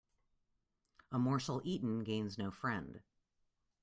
A morsel eaten gains no friend.